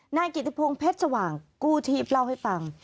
หน้ากิติพวงเพชรสว่างกู้ทีบเล่าให้ปัง